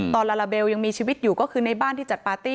ลาลาเบลยังมีชีวิตอยู่ก็คือในบ้านที่จัดปาร์ตี้